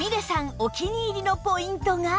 お気に入りのポイントが